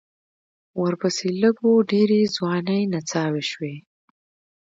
ورپسې لږ و ډېرې ځوانې نڅاوې شوې.